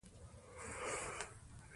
موږ باید دا تاریخ هېر نه کړو.